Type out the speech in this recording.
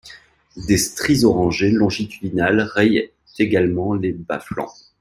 Des stries orangées longitudinales rayent également les bas-flancs.